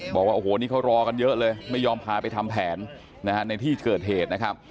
บอกว่าโอ้โหนี่เขารอกันเยอะเลยไม่ยอมพาไปทำแผนในที่เกิดเหตุนะครับ